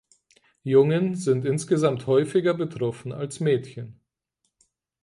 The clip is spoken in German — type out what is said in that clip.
Jungen sind insgesamt häufiger betroffen als Mädchen.